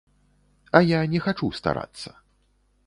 А я не хачу старацца.